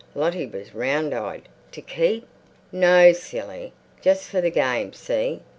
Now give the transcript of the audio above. Lottie was round eyed. "To keep?" "No, silly. Just for the game, see?